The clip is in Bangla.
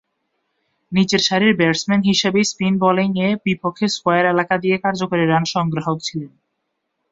নিচেরসারির ব্যাটসম্যান হিসেবে স্পিন বোলিংয়ের বিপক্ষে স্কয়ার এলাকা দিয়ে কার্যকরী রান সংগ্রাহক ছিলেন।